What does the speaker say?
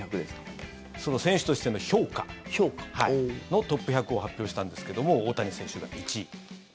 選手としての評価のトップ１００を発表したんですけども大谷選手が１位。